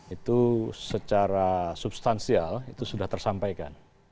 itu secara substansial itu sudah tersampaikan